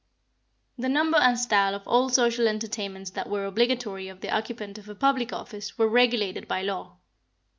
The number and style of all social entertainments that were obligatory of the occupant of a public office, were regulated by law.